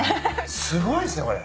すごいですねこれ。